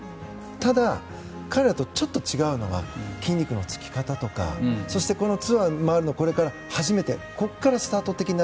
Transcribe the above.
ただ、彼らとちょっと違うのは筋肉の付き方とかツアーに回るこれから始めてここからスタート的な。